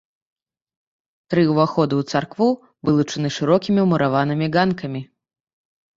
Тры ўваходы ў царкву вылучаны шырокімі мураванымі ганкамі.